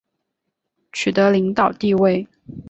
取得领导地位